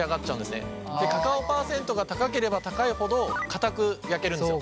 カカオ％が高ければ高いほどかたく焼けるんですよ。